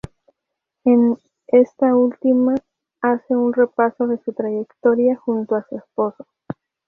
En esta última hace un repaso de su trayectoria junto a su esposo.